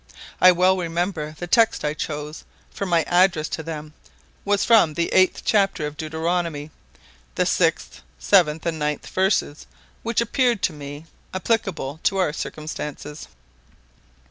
I well remember the text I chose, for my address to them was from the viiith chapter of Deuteronomy, the 6th, 7th, and 9th verses, which appeared to me applicable to our circumstances.